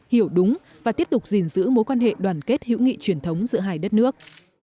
hiểu đúng và tiếp tục gìn giữ mối quan hệ đoàn kết hữu nghị truyền thống giữa hai đất nước